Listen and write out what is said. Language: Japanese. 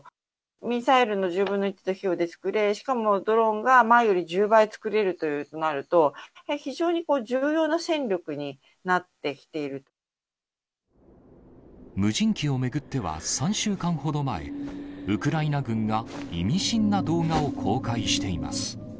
ミサイルの１０分の１の費用で作れ、しかもドローンが前より１０倍作れるというとなると、非常に重要無人機を巡っては、３週間ほど前、ウクライナ軍が意味深な動画を公開しています。